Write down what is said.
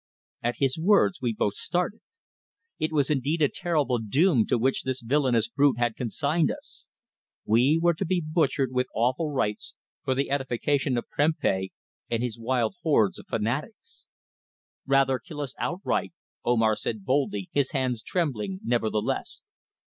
At his words we both started. It was indeed a terrible doom to which this villainous brute had consigned us. We were to be butchered with awful rites for the edification of Prempeh and his wild hordes of fanatics! "Rather kill us outright," Omar said boldly, his hands trembling nevertheless.